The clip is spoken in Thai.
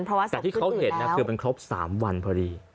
แต่ที่เขาเห็นคือมันครบ๓วันพอดี